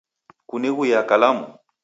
kunighuiya kalamu?